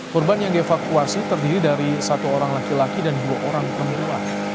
korban yang dievakuasi terdiri dari satu orang laki laki dan dua orang pemula